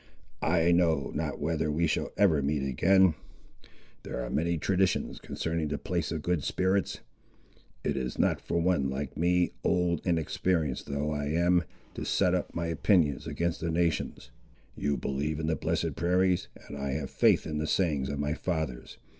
I know not whether we shall ever meet again. There are many traditions concerning the place of Good Spirits. It is not for one like me, old and experienced though I am, to set up my opinions against a nation's. You believe in the blessed prairies, and I have faith in the sayings of my fathers.